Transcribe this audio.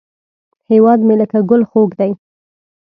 هیواد مې لکه ګل خوږ دی